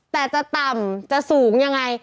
แต่จะต่ำจะสูงยังไง